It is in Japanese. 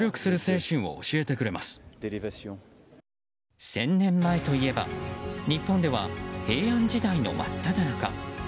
１０００年前といえば日本では平安時代の真っただ中。